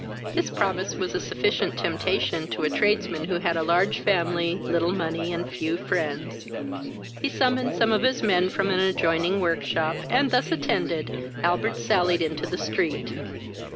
This promise was a sufficient temptation to a tradesman who had a large family, little money, and few friends. He summoned some of his men from an adjoining workshop, and, thus attended, Albert sallied into the street.